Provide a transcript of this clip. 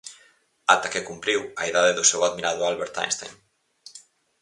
Ata que cumpriu a idade do seu admirado Albert Einstein.